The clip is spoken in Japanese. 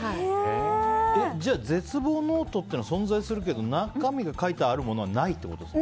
じゃあ絶望ノートは存在するけど中身が書いてあるものはないってことですか。